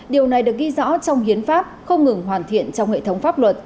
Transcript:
điều này được ghi rõ trong hiến pháp không ngừng hoàn thiện trong hệ thống pháp luật